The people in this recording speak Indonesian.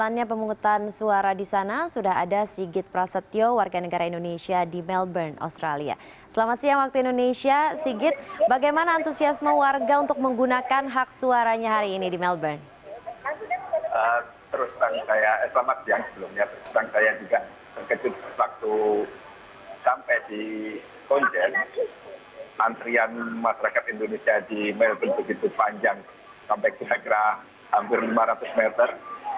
antrian masyarakat indonesia di melbourne begitu panjang sampai ke negara hampir lima ratus meter